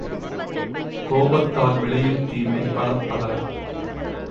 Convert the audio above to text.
கோபத்தால் விளையும் தீமை பலப்பல.